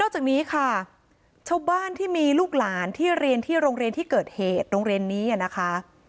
จากนี้ค่ะชาวบ้านที่มีลูกหลานที่เรียนที่โรงเรียนที่เกิดเหตุโรงเรียนนี้นะคะ